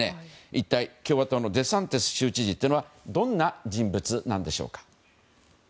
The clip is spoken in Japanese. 一体、共和党のデサンティス州知事というのはどんな人物なんでしょうか。